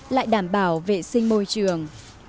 lại đảm bảo vệ sinh môi trường